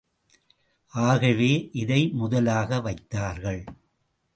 ஆகவே, இதை முதலாக வைத்தார்கள்.